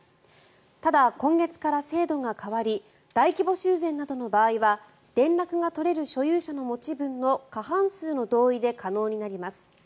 ただ、今月から制度が変わり大規模修繕などの場合は連絡が取れる所有者の持ち分の過半数の同意で可能になります。